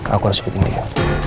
aku harus ikutin dia